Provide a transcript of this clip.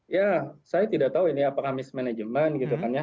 ya saya tidak tahu ini apakah mismanagement gitu kan ya